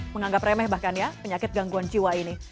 menganggap remeh bahkan ya penyakit gangguan jiwa ini